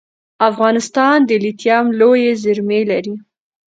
افغانستان د لیتیم لویې زیرمې لري